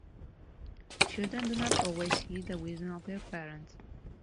Children do not always heed the wisdom of their parents.